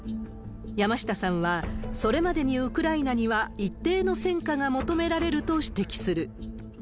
山下さんは、それまでにウクライナには一定の戦果が求められると指摘する。